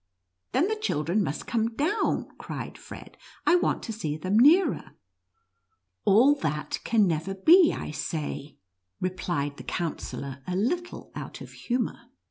"Then the children must come down," cried Fred, " I want to see them nearer." " All that can never be, I say," replied the Counsellor, a little out of humor.